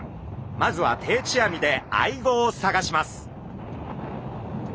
まずは定置網でアイゴを探します。